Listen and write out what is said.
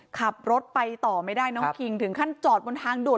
ขับรถไปต่อไม่ได้น้องคิงถึงขั้นจอดบนทางด่วน